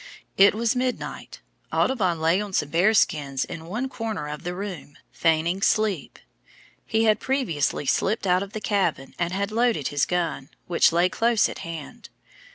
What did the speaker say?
It was midnight, Audubon lay on some bear skins in one corner of the room, feigning sleep. He had previously slipped out of the cabin and had loaded his gun, which lay close at hand.